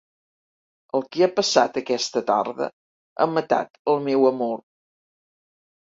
El que ha passat aquesta tarda ha matat el meu amor.